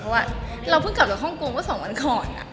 เพราะว่าเราเพิ่งกลับจากฮ่องกงเมื่อ๒วันก่อน